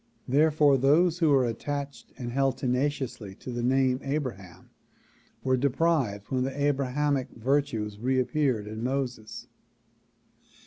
Therefore those who were attached and held tenaciously to the name Abraham were deprived when the Abrahamic virtues reappeared in Moses.